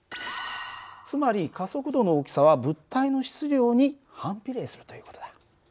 つまり加速度の大きさは物体の質量に反比例するという事だ。